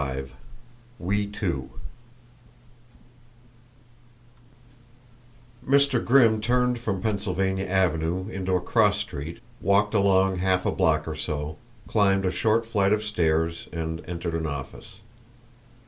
XXV WE TWO Mr. Grimm turned from Pennsylvania Avenue into a cross street, walked along half a block or so, climbed a short flight of stairs and entered an office.